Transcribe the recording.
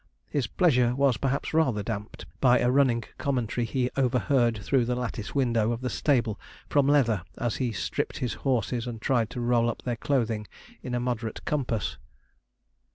His pleasure was, perhaps, rather damped by a running commentary he overheard through the lattice window of the stable, from Leather, as he stripped his horses and tried to roll up their clothing in a moderate compass.